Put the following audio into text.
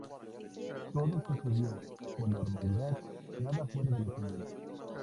Todo sucedió con normalidad, nada fuera de lo común.